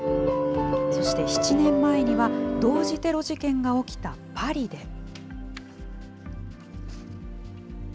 そして、７年前には同時テロ事件が起きたパリで。